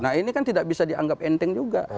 nah ini kan tidak bisa dianggap enteng juga